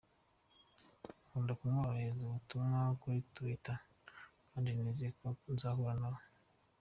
Nkunda kumwoherereza ubutumwa kuri Twitter kandi nizeye ko nzahura nawe.